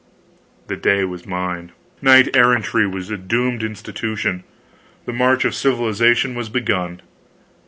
The day was mine. Knight errantry was a doomed institution. The march of civilization was begun.